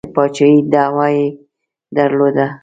د پاچهي دعوه یې درلوده.